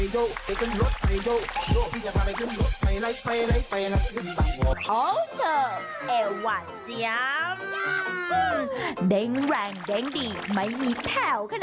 หล่อละมือนั้น